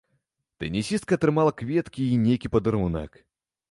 Тэнісістка атрымала кветкі і нейкі падарунак.